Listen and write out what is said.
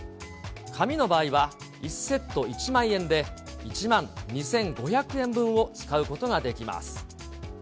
紙の場合は１セット１万円で、１万２５００円分を使うことができます。